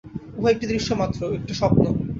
উহা একটা দৃশ্য মাত্র, একটা স্বপ্ন।